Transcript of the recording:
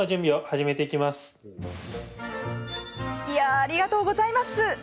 いやあ、ありがとうございます！